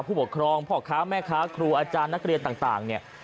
ผู้ปกครองพ่อค้าแม่ค้าครูอาจารย์นักเรียนต่างเนี่ย